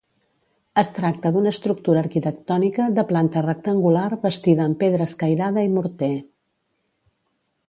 Es tracta d'una estructura arquitectònica de planta rectangular bastida amb pedra escairada i morter.